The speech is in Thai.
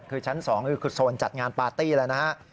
คือชั้น๒คือโซนจัดงานปาร์ตี้แล้วนะฮะ